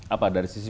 apa dari sisi